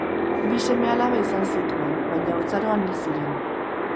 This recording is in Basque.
Bi seme-alaba izan zituen, baina haurtzaroan hil ziren.